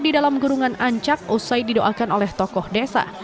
di dalam gurungan ancak usai didoakan oleh tokoh desa